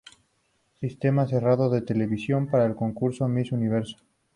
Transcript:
Sistema Cerrado de Televisión para el concurso Miss Universo.